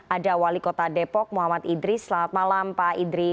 ada wali kota depok muhammad idris selamat malam pak idris